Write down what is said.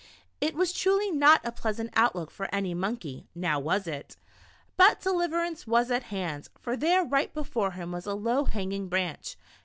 It was truly not a pleasant outlook for any monkey, now was it ? But deliverance was at hand, for there right before him was a low hanging branch.